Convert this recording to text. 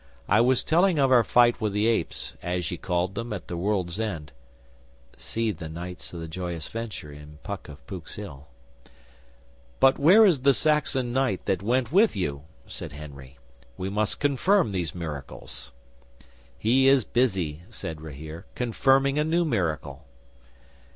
I was telling of our fight with the apes, as ye called them, at the world's end. [See 'The Knights of the Joyous Venture' in PUCK OF POOK'S HILL.] '"But where is the Saxon knight that went with you?" said Henry. "He must confirm these miracles." '"He is busy," said Rahere, "confirming a new miracle."